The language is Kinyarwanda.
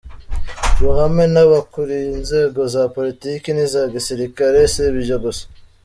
ruhame n’abakuriye inzego za politiki n’iza gisilikari; si ibyo gusa